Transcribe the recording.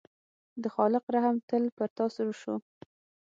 د خالق رحم تل پر تا شو.